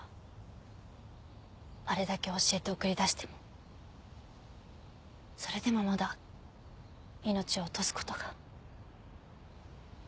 あれだけ教えて送り出してもそれでもまだ命を落とすことが。